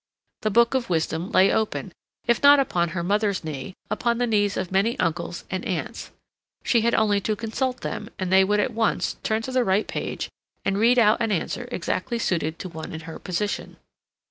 The book of wisdom lay open, if not upon her mother's knee, upon the knees of many uncles and aunts. She had only to consult them, and they would at once turn to the right page and read out an answer exactly suited to one in her position.